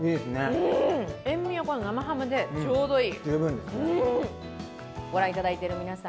塩みはこの生ハムでちょうどいい。